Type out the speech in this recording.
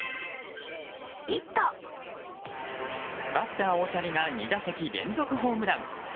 バッター大谷が２打席連続ホームラン。